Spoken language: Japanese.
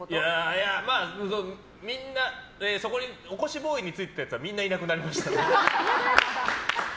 いや、みんな起こしボーイについてたやつはみんないなくなりました。